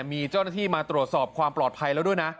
มีเจ้าหน้าที่มาตรวจสอบความปลอดภัยแล้วด้วยนะ